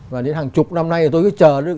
và đến hàng chục năm nay tôi cứ chờ